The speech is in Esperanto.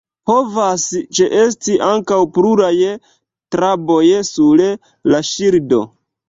Povas ĉeesti ankaŭ pluraj traboj sur la ŝildo.